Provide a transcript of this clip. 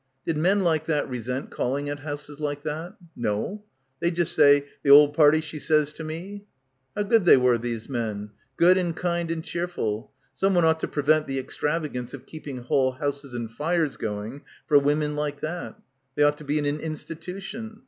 Did men like that resent call ing at houses like that? No. They'd just say, "The ole party she sez to me." How good they were, these men. Good and kind and cheerful. Someone ought to prevent the extravagance of — 127 — PILGRIMAGE keeping whole houses and fires going for women like that. They ought to be in an institution.